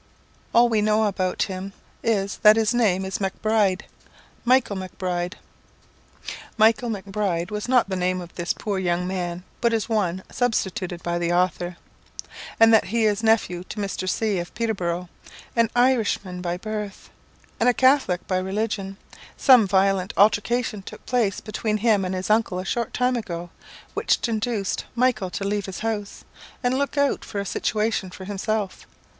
"All that we know about him is, that his name is Macbride, [Michael Macbride was not the real name of this poor young man, but is one substituted by the author.] and that he is nephew to Mr. C , of Peterboro', an Irishman by birth, and a Catholic by religion. Some violent altercation took place between him and his uncle a short time ago, which induced Michael to leave his house, and look out for a situation for himself.